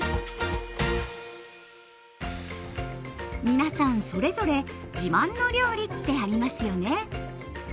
皆さんそれぞれ自慢の料理ってありますよね？